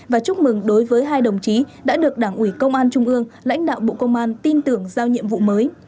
và chúc mừng đối với hai đồng chí đã được đảng ủy công an trung ương lãnh đạo bộ công an tin tưởng giao nhiệm vụ mới